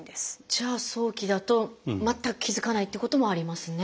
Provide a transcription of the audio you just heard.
じゃあ早期だと全く気付かないってこともありますね。